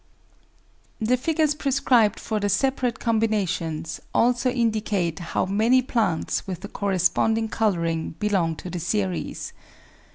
The figures prescribed for the separate combinations also indicate how many plants with the corresponding colouring belong to the series.